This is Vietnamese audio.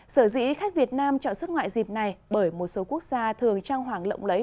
sở dĩ khách việt nam chọn xuất ngoại dịp này bởi một số quốc gia thường trang hoảng lộng lấy